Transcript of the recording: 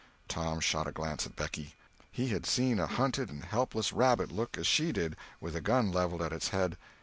Tom shot a glance at Becky. He had seen a hunted and helpless rabbit look as she did, with a gun levelled at its head.